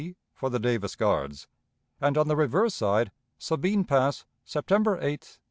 G.,' for the Davis Guards, and on the reverse Side, 'Sabine Pass, September 8, 1863.'